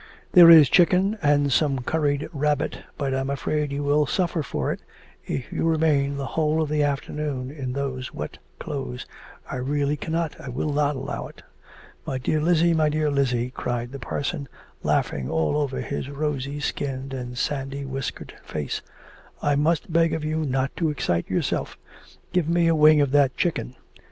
'There is chicken and some curried rabbit, but I am afraid you will suffer for it if you remain the whole of the afternoon in those wet clothes; I really cannot, I will not allow it.' 'My dear Lizzie, my dear Lizzie,' cried the parson, laughing all over his rosy skinned and sandy whiskered face, 'I must beg of you not to excite yourself. Give me a wing of that chicken.